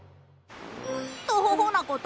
「とほほ」なこと